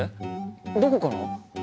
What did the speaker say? どこから？